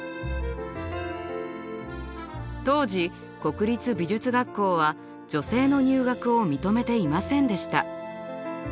当時国立美術学校は女性の入学を認めていませんでした。